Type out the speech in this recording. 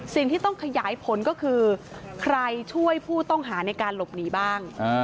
สิ่งที่ต้องขยายผลก็คือใครช่วยผู้ต้องหาในการหลบหนีบ้าง